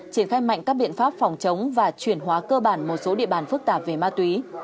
triển khai mạnh các biện pháp phòng chống và chuyển hóa cơ bản một số địa bàn phức tạp về ma túy